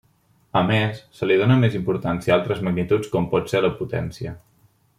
A més, se li dóna més importància a altres magnituds com pot ser la Potència.